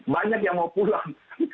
banyak yang mau pulang